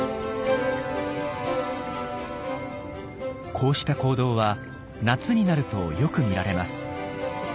こうした行動は夏になるとよく見られます。